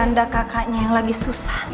anda kakaknya yang lagi susah